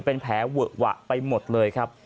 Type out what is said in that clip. เป็นแผลเวอะหวะไปหมดเลยครับ